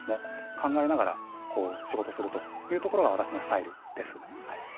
考えながら仕事するというところが私のスタイルです。